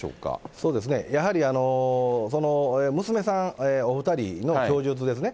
そうですね、やはり、その娘さんお２人の供述ですね。